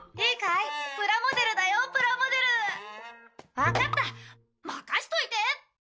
わかった任せといて！